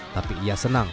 tapi ia senang